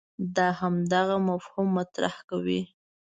دا همدغه مفهوم مطرح کوي.